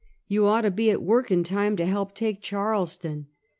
You ought to be atVork, in time to help take Charleston."